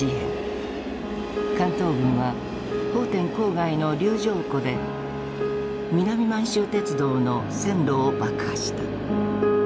関東軍は奉天郊外の柳条湖で南満州鉄道の線路を爆破した。